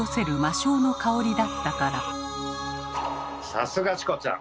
さすがチコちゃん。